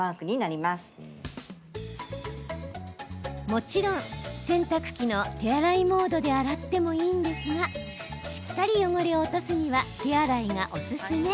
もちろん洗濯機の手洗いモードで洗ってもいいんですがしっかり汚れを落とすには手洗いがおすすめ。